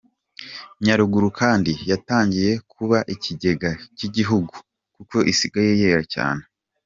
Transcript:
Nyaruguru kandi yatangiye kuba ikigega cy’igihugu, kuko isigaye yera cyane.